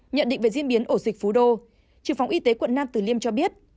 nhận định về diễn biến ổ dịch phú đô trưởng phóng y tế quận năm từ liêm cho biết